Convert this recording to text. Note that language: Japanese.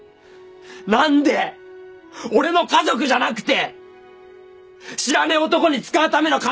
何で俺の家族じゃなくて知らねえ男に使うための金